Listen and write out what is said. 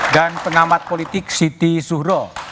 dan pengamat politik siti suhro